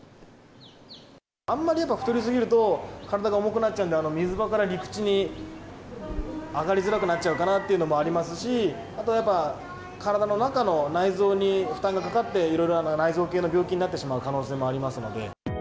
あんまり太りすぎると、体が重くなっちゃうんで、水場から陸地に上がりづらくなっちゃうかなっていうのもありますし、あとやっぱ、体の中の内臓に負担がかかって、いろいろな内臓系の病気になってしまう可能性もありますので。